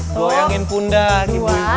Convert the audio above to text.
goyangin pundak ibu ibu